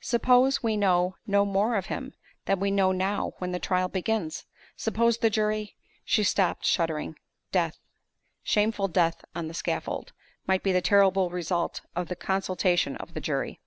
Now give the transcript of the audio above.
Suppose we know no more of him than we know now when the trial begins? Suppose the jury " She stopped, shuddering. Death shameful death on the scaffold might be the terrible result of the consultation of the jury.